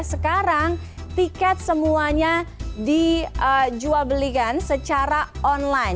sekarang tiket semuanya dijual belikan secara online